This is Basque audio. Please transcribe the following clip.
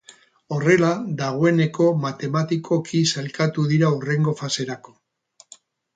Horrela, dagoeneko matematikoki sailkatu dira hurrengo faserako.